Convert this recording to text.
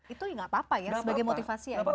itu gak apa apa ya sebagai motivasi ya ailman ya